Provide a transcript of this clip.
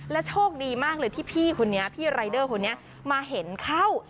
โชคดีมากเลยที่พี่คนนี้พี่รายเดอร์คนนี้มาเห็นเข้า